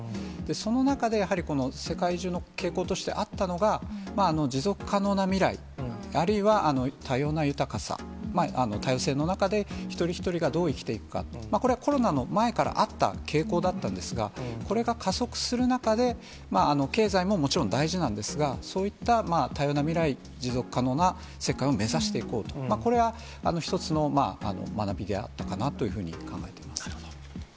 その中でやはり、世界中の傾向としてあったのが、持続可能な未来、あるいは多様な豊かさ、多様性の中で、一人一人がどう生きていくか、これはコロナの前からあった傾向だったんですが、これが加速する中で、経済ももちろん大事なんですが、そういった多様な未来、持続可能な世界を目指していこうと、日本時間の昨夜、イギリス・ロンドン。